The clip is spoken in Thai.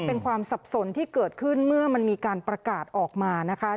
เป็นความสับสนที่เกิดขึ้นเมื่อมันมีการประกาศออกมานะคะ